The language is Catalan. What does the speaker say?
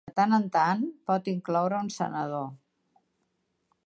De tant en tant, pot incloure un senador.